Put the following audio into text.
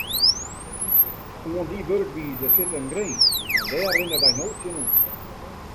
Oan dy wurkwize sit in grins en dêr rinne wy no tsjinoan.